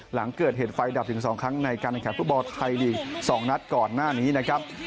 หลังเกิดเหตุไฟดับถึง๒ครั้งในการแข่งฟุตบอลไทยลีก๒นัดก่อนหน้านี้นะครับ